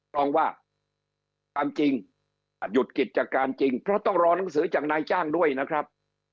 ตรงว่าตามจริงอาจหยุดกิจการจริงเพราะต้องรอหนังสือจากนายจ้างด้วยนะครับ